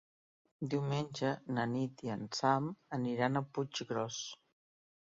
Diumenge na Nit i en Sam aniran a Puiggròs.